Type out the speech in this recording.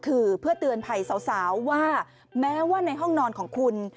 คือเพื่อเตือนภัยสาวว่าแม้ว่าในห้องนอนของคุณ